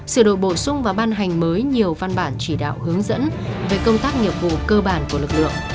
sửa đổi bổ sung và ban hành mới nhiều văn bản chỉ đạo hướng dẫn về công tác nghiệp vụ cơ bản của lực lượng